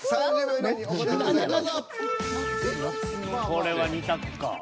これは２択か。